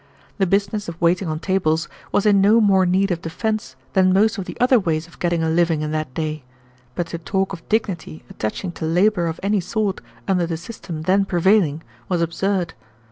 The business of waiting on tables was in no more need of defense than most of the other ways of getting a living in that day, but to talk of dignity attaching to labor of any sort under the system then prevailing was absurd.